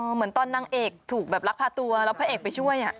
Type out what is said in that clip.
เหมือนตอนนางเอกถูกแบบรักพาตัวแล้วพระเอกไปช่วย